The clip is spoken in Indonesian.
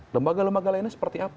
lembaga lembaga lainnya seperti apa